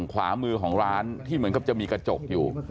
ขวามือของร้านที่เหมือนกับจะมีกระจกอยู่